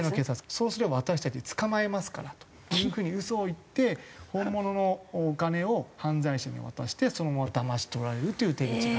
「そうすれば私たち捕まえますから」という風に嘘を言って本物のお金を犯罪者に渡してそのままだまし取られるという手口が。